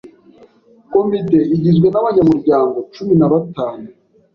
Komite igizwe n’abanyamuryango cumi na batanu.